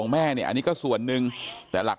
ไม่เกี่ยวหรอก